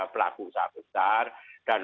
pelaku usaha besar dan